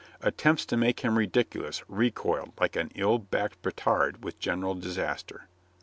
Attempts to make him ridiculous recoiled like an ill backed petard with general disaster.